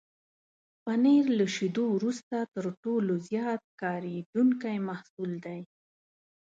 پنېر له شيدو وروسته تر ټولو زیات کارېدونکی محصول دی.